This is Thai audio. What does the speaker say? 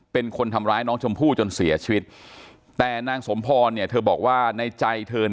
เป็นคนทำร้ายน้องชมพู่จนเสียชีวิตแต่นางสมพรเนี่ยเธอบอกว่าในใจเธอ